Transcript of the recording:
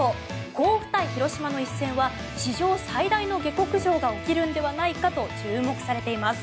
甲府対広島の一戦は史上最大の下克上が起きるんではないかと注目されています。